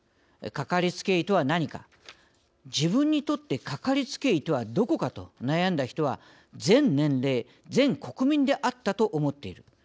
「かかりつけ医とは何か自分にとってかかりつけ医とはどこかと悩んだ人は全年齢、全国民であったと思っている」